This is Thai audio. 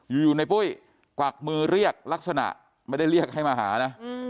อยู่ในปุ้ยกวักมือเรียกลักษณะไม่ได้เรียกให้มาหานะ